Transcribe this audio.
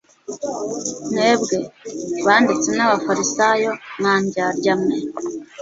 «Mwebwe. banditsi n'abafarisayo mwa ndyarya mwe,